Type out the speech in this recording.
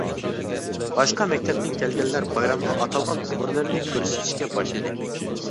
باشقا مەكتەپتىن كەلگەنلەر بايرامغا ئاتالغان نومۇرلىرىنى كۆرسىتىشكە باشلىدى.